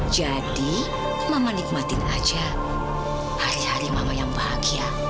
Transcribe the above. jadi mama nikmatin aja hari hari mama yang bahagia